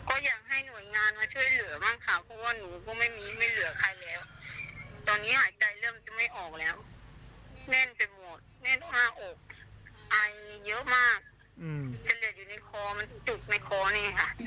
ไอเยอะมากจะเหลืออยู่ในคอมันจุดในคอนี่ค่ะ